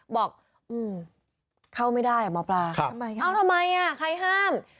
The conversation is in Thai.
บอกเข้าไม่ได้อ่ะหมอปลาเอาทำไมอ่ะใครห้าม